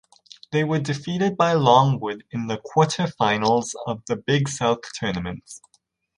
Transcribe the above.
They were defeated by Longwood in the quarterfinals of the Big South Tournament.